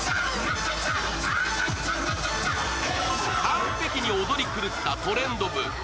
完璧に踊り狂ったトレンド部。